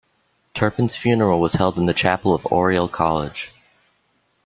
Turpin's funeral was held in the chapel of Oriel College.